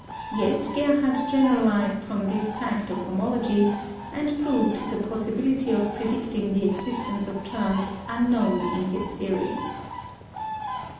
Yet Gerhardt generalized from this fact of homology and proved the possibility of predicting the existence of terms unknown in his series.